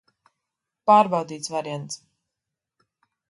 Pārbaudīts variants.